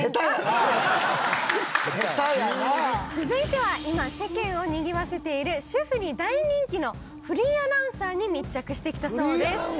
続いては今世間をにぎわせている主婦に大人気のフリーアナウンサーに密着してきたそうです。